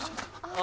あ！